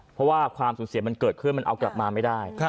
เพราะว่าความสูญเสียมันเกิดขึ้นมันเอากลับมาไม่ได้